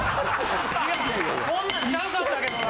こんなんちゃうかったけどな。